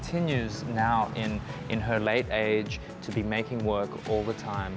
dan sekarang dia terus bekerja di sekolah kecil